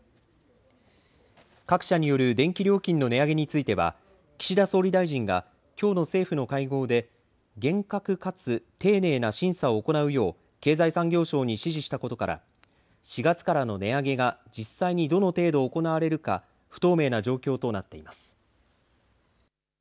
各社による電気料金の値上げについては、岸田総理大臣が、きょうの政府の会合で、厳格かつ丁寧な審査を行うよう経済産業省に指示したことから、４月からの値上げが実際にどの程度行われるか、不透明な状況となっています。